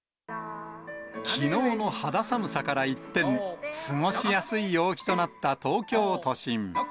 きのうの肌寒さから一転、過ごしやすい陽気となった東京都心。